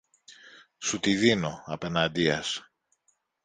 Σου τη δίνω, απεναντίας